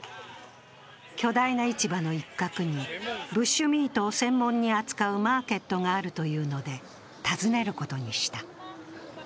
巨大な市場の一角にブッシュミートを専門に扱うマーケットがあるというので訪ねることにした。